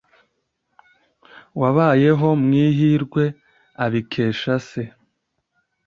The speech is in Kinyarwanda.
wabayeho mu ihirwe abikesha se